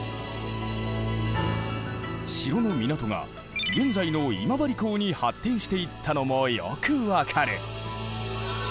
城の港が現在の今治港に発展していったのもよく分かる。